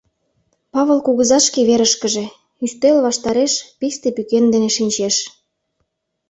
Павыл кугыза шке верышкыже, ӱстел ваштареш, писте пӱкен дене шинчеш.